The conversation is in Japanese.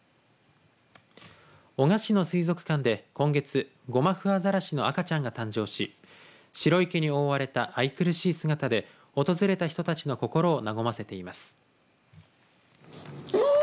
男鹿市の水族館で今月ゴマフアザラシの赤ちゃんが誕生し白い毛に覆われた愛くるしい姿で訪れた人たちの心を和ませています。